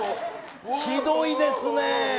ひどいですね！